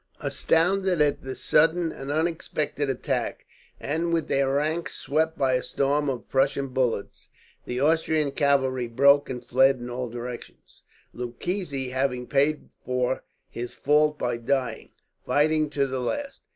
Astounded at this sudden and unexpected attack, and with their ranks swept by a storm of Prussian bullets, the Austrian cavalry broke and fled in all directions, Lucchesi having paid for his fault by dying, fighting to the last.